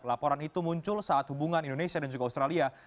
laporan itu muncul saat hubungan indonesia dan juga australia